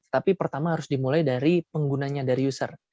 tapi pertama harus dimulai dari penggunanya dari user